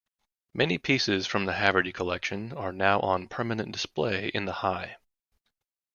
Many pieces from the Haverty collection are now on permanent display in the High.